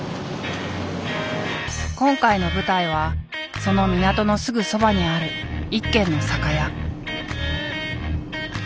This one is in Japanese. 今回の舞台はその港のすぐそばにある一軒の酒屋。